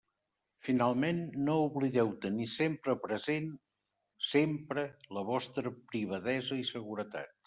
Finalment, no oblideu tenir sempre present sempre la vostra privadesa i seguretat.